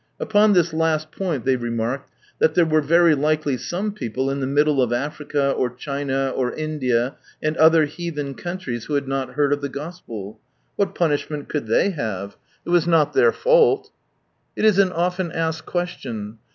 Upon this last point they remarked that there were very likely some people 1(1 the middle 6f Africa, 6t Cliina, or ItiAli, and other "heathen countries," who had not heard of the Gospel. What punishment could they have? It was not their fault ! It is an ofien asked question.